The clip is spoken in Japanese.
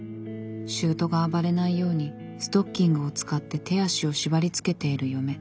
しゅうとが暴れないようにストッキングを使って手足を縛りつけている嫁。